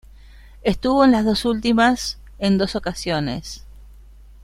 Estuvo en las dos últimas en dos ocasiones.